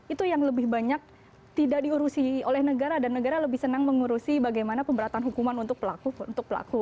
itu yang lebih banyak tidak diurusi oleh negara dan negara lebih senang mengurusi bagaimana pemberatan hukuman untuk pelaku